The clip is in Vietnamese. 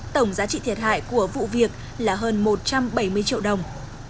tổng giá trị thiệt hại của vụ việc là hơn một trăm bảy mươi triệu đồng